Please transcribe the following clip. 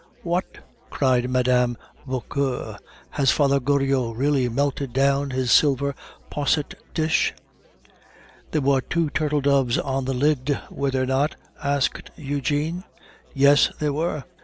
"What," cried Mme. Vauquer, "has Father Goriot really melted down his silver posset dish?" "There were two turtle doves on the lid, were there not?" asked Eugene. "Yes, that there were."